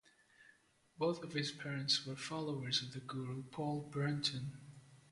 Both of his parents were followers of the guru Paul Brunton.